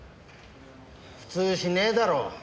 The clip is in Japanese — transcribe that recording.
普通しねえだろ。